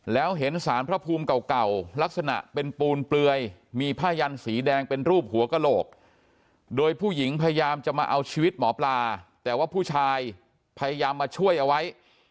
แล้วเห็นสารพระภูมิเก่าลักษณะเป็นปูนเปลือยมีผ้ายันสีแดงเป็นรูปหัวกระโหลกโดยผู้หญิงพยายามจะมาเอาชีวิตหมอปลาแต่ว่าผู้ชายพยายามมาช่วยเอาไว้